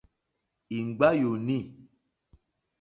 Ìŋɡbá yùùnî.